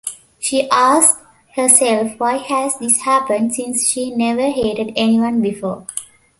She asks herself why has this happened, since she never hated anyone before.